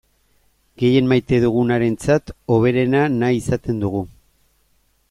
Gehien maite dugunarentzat hoberena nahi izaten dugu.